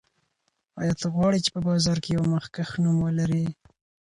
آیا ته غواړې چې په بازار کې یو مخکښ نوم ولرې؟